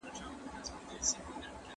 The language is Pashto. هره ورځ نوي څه زده کړئ.